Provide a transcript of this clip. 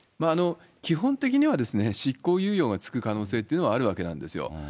基本的には執行猶予が付く可能性というのはあるわけなんですよ。